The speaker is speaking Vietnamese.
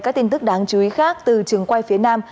các tin tức đáng chú ý khác từ trường quay phía nam